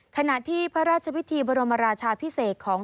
แขนาดที่พระราชวิธีบริมาชาวพิเศษของ